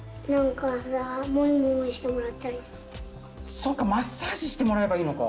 そっかマッサージしてもらえばいいのか。